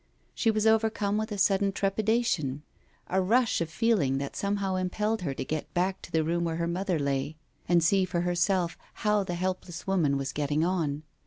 She was overcome with a sudden trepidation, a rush of feeling that somehow impelled her to get back to the room where her mother lay, and see for herself how the helpless woman was getting on.